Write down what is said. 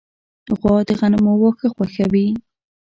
غوا د غنمو واښه خوښوي.